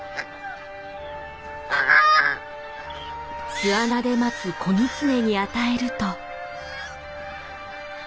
巣穴で待つ子ギツネに与えると。